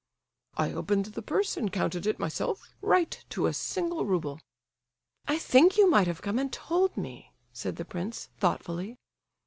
"I opened the purse and counted it myself; right to a single rouble." "I think you might have come and told me," said the prince, thoughtfully.